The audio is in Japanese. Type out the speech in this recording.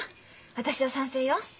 私は賛成よ。